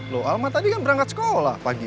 loh almat tadi kan berangkat sekolah pagi